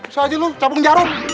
bisa aja lu cabut jarum